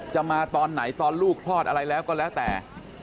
มาตอนไหนตอนลูกคลอดอะไรแล้วก็แล้วแต่